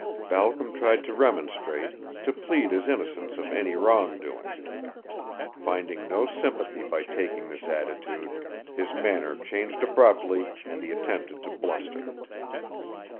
Balcom tried to remonstrate, to plead his innocence of any wrong doing. Finding no sympathy by taking this attitude, his manner changed abruptly and he attempted to bluster.